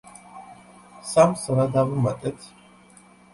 სამს რა დავუმატეთ?